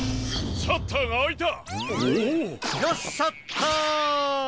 よっシャッター！